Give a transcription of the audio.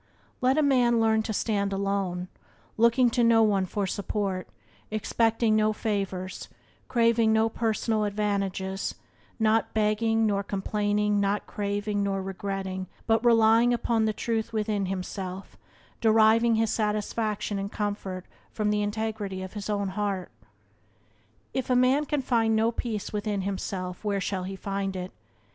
Let a man learn to stand alone, looking to no one for support; expecting no favours, craving no personal advantages; not begging, nor complaining, not craving, nor regretting, but relying upon the truth within himself, deriving his satisfaction and comfort from the integrity of his own heart. If a man can find no peace within himself where shall he find it?